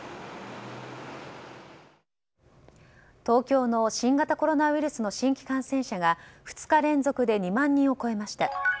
東京の新型コロナウイルスの新規感染者が２日連続で２万人を超えました。